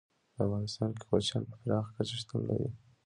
په افغانستان کې کوچیان په پراخه کچه شتون لري.